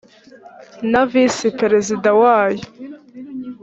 na visi perezida wayo